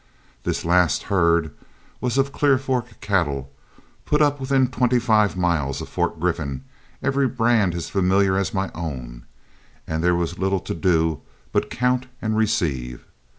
This last herd was of Clear Fork cattle, put up within twenty five miles of Fort Griffin, every brand as familiar as my own, and there was little to do but count and receive.